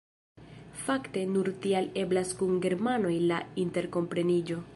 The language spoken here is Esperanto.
Fakte nur tial eblas kun germanoj la interkompreniĝo.